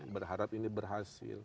berharap ini berhasil